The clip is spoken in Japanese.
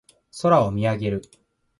空を見上げる。